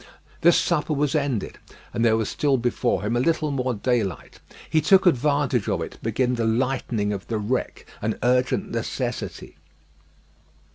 This supper was ended, and there was still before him a little more daylight. He took advantage of it to begin the lightening of the wreck an urgent necessity.